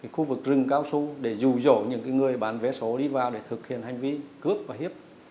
khu vực rừng cao su để dù dỗ những người bán vé số đi vào để thực hiện hành vi cướp và hiếp